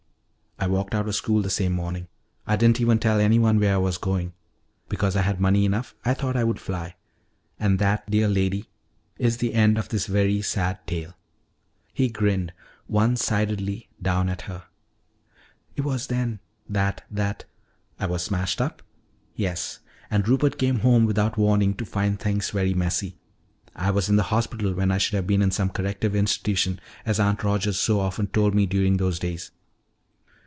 I walked out of school the same morning. I didn't even tell anyone where I was going. Because I had money enough, I thought I would fly. And that, dear lady, is the end of this very sad tale." He grinned one sidedly down at her. "It was then that that " "I was smashed up? Yes. And Rupert came home without warning to find things very messy. I was in the hospital when I should have been in some corrective institution, as Aunt Rogers so often told me during those days.